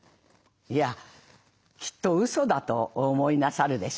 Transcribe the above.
いやきっとうそだとお思いなさるでしょう」。